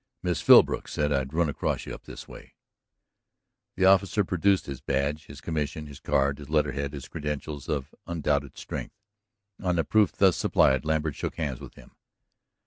"Miss Philbrook said I'd run across you up this way." The officer produced his badge, his commission, his card, his letterhead, his credentials of undoubted strength. On the proof thus supplied, Lambert shook hands with him.